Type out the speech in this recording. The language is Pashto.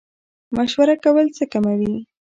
مشوره کول څه کموي؟